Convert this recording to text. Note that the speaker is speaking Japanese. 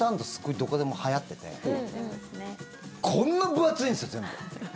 どこでも、はやっててこんな分厚いんですよ、全部。